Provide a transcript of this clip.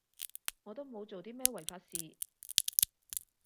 我都冇做啲咩違法事